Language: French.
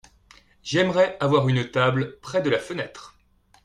J’aimerais avoir une table près de la fenêtre.